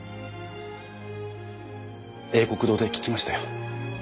英國堂で聞きましたよ。